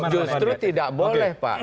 justru tidak boleh pak